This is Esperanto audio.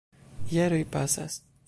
Jaroj pasas.